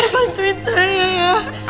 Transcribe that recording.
bantuin saya ya